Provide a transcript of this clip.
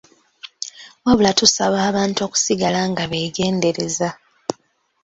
Wabula tusaba abantu okusigala nga beegendereza.